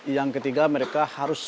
yang ketiga mereka harus